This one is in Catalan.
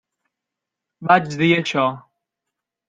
Vaig dir això.